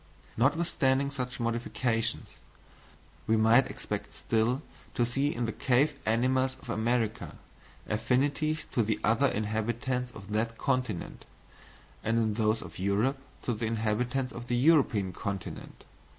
Notwithstanding such modifications, we might expect still to see in the cave animals of America, affinities to the other inhabitants of that continent, and in those of Europe to the inhabitants of the European continent.